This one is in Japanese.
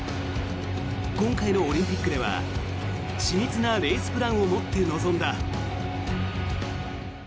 今回のオリンピックでは緻密なレースプランを持って臨んだ。